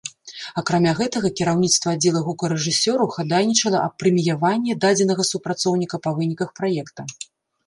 Акрамя гэтага, кіраўніцтва аддзела гукарэжысёраў хадайнічала аб прэміяванні дадзенага супрацоўніка па выніках праекта.